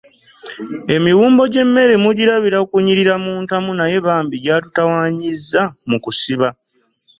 Emiwumbo gy'emmere mugirabira kunyiririra mu ntamu naye bambi gyatutawaanyizza mu kusiba.